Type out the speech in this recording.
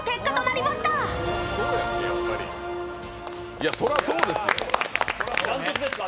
いや、それはそうですよ。